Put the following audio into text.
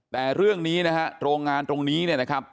แต่เรื่องนี้นะฮะโรงงานตรงนี้เนี่ยนะครับ